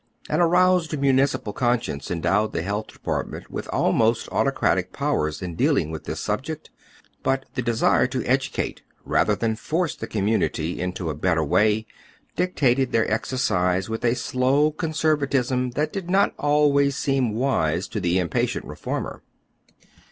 An aroused municipal conscience endowed tlie Health Department with almost autocratic powei s in dealing with this subject, but tlie desire to educate rather tliaii force the community into a better way dictated their exercise with a slow conservatism that did not always seem wise to the impatient reformer.